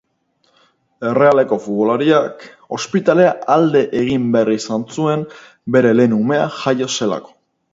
Errealeko futbolariak ospitalera alde egin behar izan zuen bere lehen umea jaio zelako.